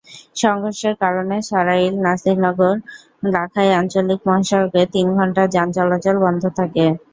সংঘর্ষের কারণে সরাইল-নাসিরনগর-লাখাই আঞ্চলিক মহাসড়কে তিন ঘণ্টা যান চলাচল বন্ধ থাকে।